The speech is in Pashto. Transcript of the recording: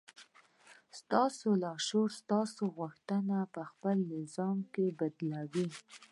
ستاسې لاشعور ستاسې غوښتنې په خپل نظام کې بدلوي.